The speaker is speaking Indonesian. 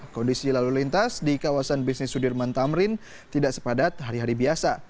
kondisi lalu lintas di kawasan bisnis sudirman tamrin tidak sepadat hari hari biasa